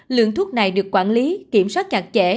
lượng thuốc này được quản lý kiểm soát chặt chẽ